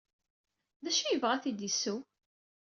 D acu ay yebɣa ad t-id-yesseww?